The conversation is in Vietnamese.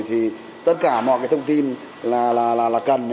thì tất cả mọi cái thông tin là cần